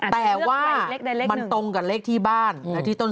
แต่ว่ามันตรงกับเลขที่บ้าน